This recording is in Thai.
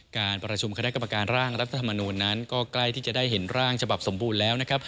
การประชุมคณะกรรมการร่างรัฐธรรมนูลนั้นก็ใกล้ที่จะได้เห็นร่างฉบับสมบูรณ์แล้วนะครับ